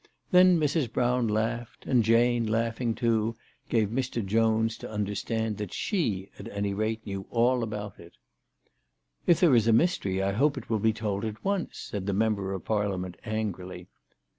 Then Mrs. Brown laughed, and Jane, laughing too, gave Mr. Jones to understand that she at any rate knew all about it. " If there is a mystery I hope it will be told at once," said the member of Parliament, angrily.